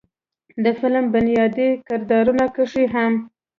د فلم بنيادي کردارونو کښې هم